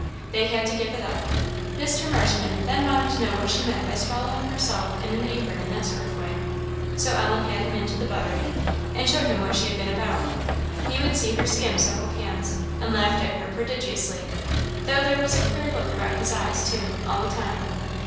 They had to give it up. Mr. Marshman then wanted to know what she meant by swallowing herself up in an apron in that sort of way? so Ellen had him into the buttery, and showed him what she had been about. He would see her skim several pans, and laughed at her prodigiously; though there was a queer look about his eyes, too, all the time.